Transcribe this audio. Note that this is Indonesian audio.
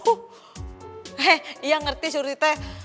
he iya ngerti surti teh